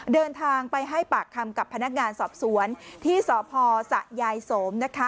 เดินทางไปให้ปากคำกับพนักงานสอบสวนที่สพสะยายสมนะคะ